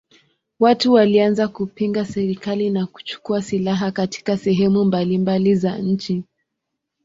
Watu walianza kupinga serikali na kuchukua silaha katika sehemu mbalimbali za nchi.